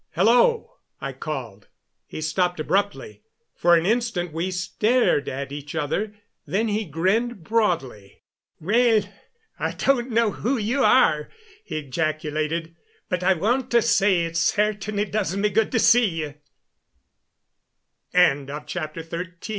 "Hello!" I called. He stopped abruptly. For an instant we stared at each other; then he grinned broadly. "Well, I don't know who you are," he ejaculated, "but I want to say it certainly does me good to see you." CHAPTER XIV. THE RULER OF